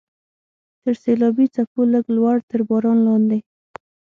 تر سیلابي څپو لږ لوړ، تر باران لاندې.